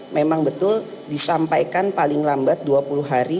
memang betul disampaikan paling lambat dua puluh hari